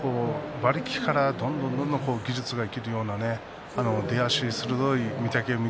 馬力からどんどんどんどん技術が生きるような出足、鋭い御嶽海